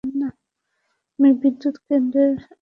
আমি বিদ্যুৎ কেন্দ্রে আটকা পড়েছিলাম।